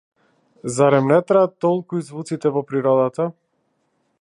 Зарем не траат толку и звуците во природата?